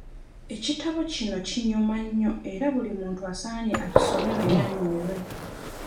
Ekitabo kino kinyuma nnyo era buli muntu asaanye akisome naye anyumirwe.